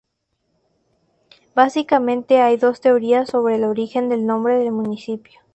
Básicamente hay dos teorías sobre el origen del nombre del municipio.